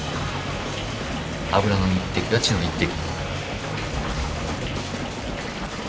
油の一滴は血の一滴。